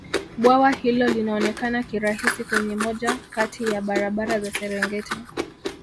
bwawa hilo linaonekana kirahisi kwenye moja Kati ya barabara za serengeti